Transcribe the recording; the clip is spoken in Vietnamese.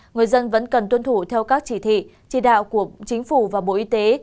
người dân vẫn cần tuân thủ theo các chỉ thị chỉ đạo của chính phủ và bộ y tế